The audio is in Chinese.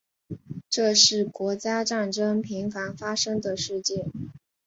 这是国家战争频繁发生的世界。